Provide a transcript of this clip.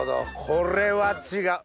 これは違う。